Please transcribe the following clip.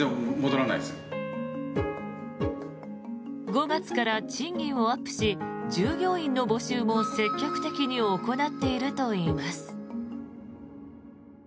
５月から賃金をアップし従業員の募集も積極的に行っているといいます。